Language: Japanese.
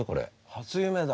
初夢だ。